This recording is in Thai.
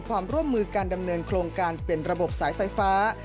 ความร่วมมือการดำเนินโครงการเป็นระบบสายไฟฟ้า